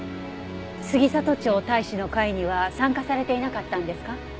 杉里町隊士の会には参加されていなかったんですか？